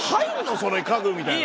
それ家具」みたいな。